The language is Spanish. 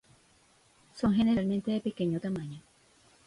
Son generalmente de pequeño tamaño.